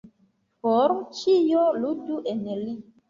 Por ĉio ludu en li.